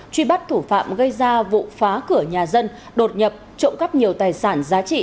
truy bắt thủ phạm gây ra vụ phá cửa nhà dân đột nhập trộm cắp nhiều tài sản giá trị